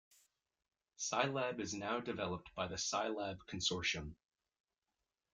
Scilab is now developed by the Scilab Consortium.